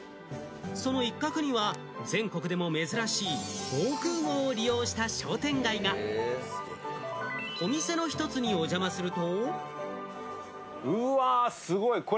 その一角には全国でも珍しい防空壕を利用した商店街が、お店の一つにお邪魔すると。